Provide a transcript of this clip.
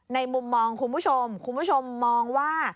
มุมมองคุณผู้ชมคุณผู้ชมมองว่า